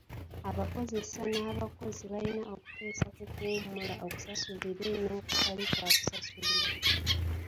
Abakozesa n'abakozi balina okuteesa ku kuwummula okusasulire n'okutali kwa kusasulira.